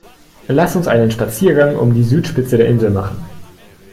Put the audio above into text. Lass uns einen Spaziergang um die Südspitze der Insel machen!